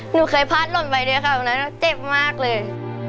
หนูเคยพาดลนไปด้วยค่ะตรงนั้นเจ็บมากเลย